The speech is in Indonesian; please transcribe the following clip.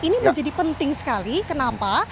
ini menjadi penting sekali kenapa